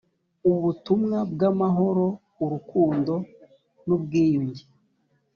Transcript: ubutumwa bw'amahoro, urukundo n’ ubwiyunge